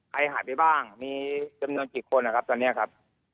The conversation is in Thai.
หายไปบ้างมีจำนวนกี่คนนะครับตอนนี้ครับ